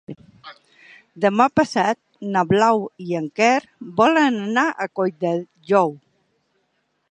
Demà passat na Blau i en Quer volen anar a Colldejou.